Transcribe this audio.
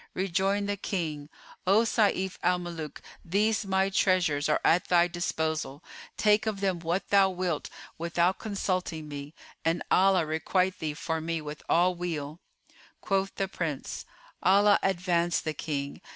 Rejoined the King, "O Sayf al Muluk these my treasures are at thy disposal: take of them what thou wilt, without consulting me, and Allah requite thee for me with all weal!" Quoth the Prince, "Allah advance the King!